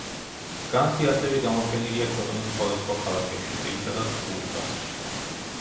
განძი ასევე გამოფენილია ქვეყნის სხვადასხვა ქალაქებში, ძირითადად ბურგასში.